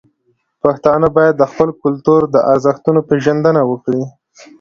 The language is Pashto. پښتانه باید د خپل کلتور د ارزښتونو پیژندنه وکړي.